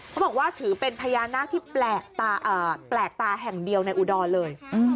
บอกว่าถือเป็นพญานาคที่แปลกตาแห่งเดียวในอุดรเลย